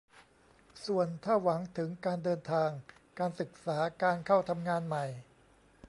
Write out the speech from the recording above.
ส่วนถ้าหวังถึงการเดินทาง การศึกษา การเข้าทำงานใหม่